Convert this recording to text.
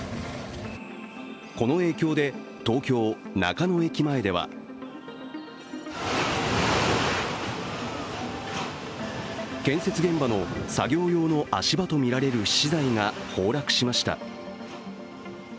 この影響で東京・中野駅前では建設現場の作業用の足場とみられる資材が崩落しました。